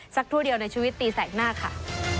สักทั่วเดียวในชีวิตตีแสกหน้าก่อน